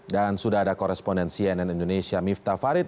dan sudah ada koresponden cnn indonesia mifta farid